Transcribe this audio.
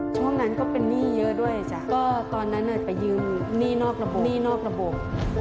ช่วงนั้นก็เป็นหนี้เยอะด้วยจ้ะก็ตอนนั้นไปยืมหนี้นอกระบบหนี้นอกระบบ